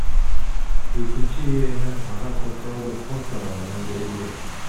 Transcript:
Экинчи ИНН ага Социалдык фонд тарабынан берилген.